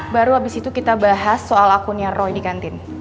baru habis itu kita bahas soal akunnya roy di kantin